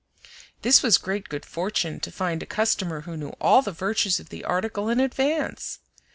This was great good fortune, to find a customer who knew all the virtues of the article in advance.